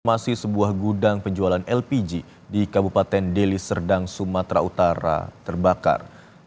masih sebuah gudang penjualan lpg di kabupaten deli serdang sumatera utara terbakar